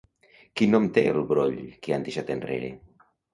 Quin nom té el broll que han deixat enrere?